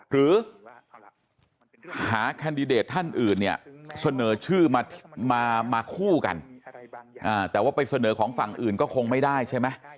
หรือหาแคนดิเดตท่านอื่นเนี่ยเสนอชื่อมาคู่กันแต่ว่าไปเสนอของฝั่งอื่นก็คงไม่ได้ใช่ไหม